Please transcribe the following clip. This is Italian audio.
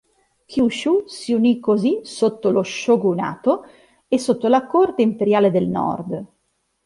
Kyūshū si unì così sotto lo shogunato, e sotto la Corte Imperiale del Nord.